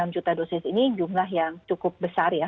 empat ratus dua puluh enam juta dosis ini jumlah yang cukup besar ya